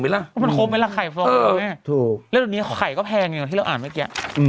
มันคงเป็นอะไรขายฟล้ำกี้แล้วทุกอย่างนี้ขายก็แพงกว่าที่เราอ่านเมื่อกี้